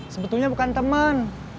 sebetulnya bukan teman